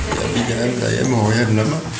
bây giờ em thấy em hồi hình lắm